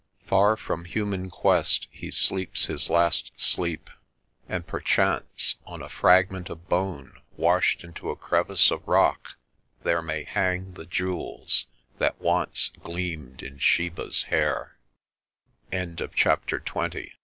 Far from human quest, he sleeps his last sleep and perchance on a fragment of bone washed into a crevice of rock there may hang the jewels that once gleamed in Sheba's hair CHAPTER XXI I CLIMB T